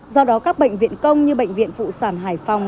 do đó các bệnh viện công như bệnh viện phụ sản hải phòng